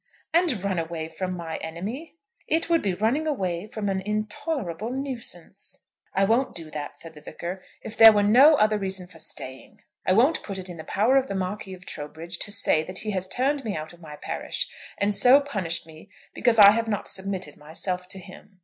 "And run away from my enemy?" "It would be running away from an intolerable nuisance." "I won't do that," said the Vicar. "If there were no other reason for staying, I won't put it in the power of the Marquis of Trowbridge to say that he has turned me out of my parish, and so punished me because I have not submitted myself to him.